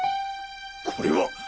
これは！